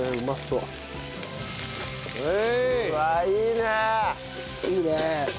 いいね。